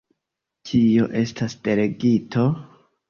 Kio estas delegito?